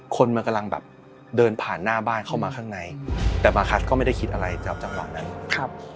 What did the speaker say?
คนมันกำลังแบบเดินผ่านหน้าบ้านเข้ามาข้างในแต่บาคัสก็ไม่ได้คิดอะไรจากจังหวะนั้นครับ